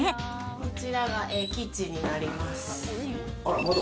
こちらがキッチンになります。